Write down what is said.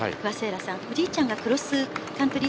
おじいちゃんがクロスカントリー